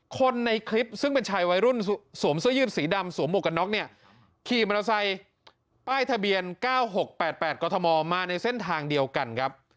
คนในคลิปซึ่งเป็นชายวัยรุ่นสวมเสื้อยืดสีดำสวมหวกกันน็อกเนี่ยขี่มอเตอร์ไซค์ป้ายทะเบียน๙๖๘๘กรทมมาในเส้นทางเดียวกันครับ